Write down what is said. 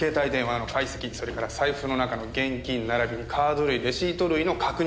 それから財布の中の現金並びにカード類レシート類の確認。